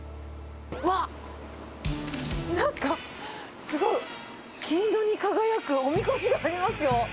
わっ、なんかすごい、金色に輝くおみこしがありますよ。